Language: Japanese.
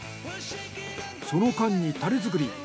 その間にタレ作り。